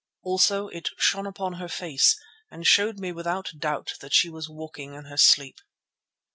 Also it shone upon her face and showed me without doubt that she was walking in her sleep.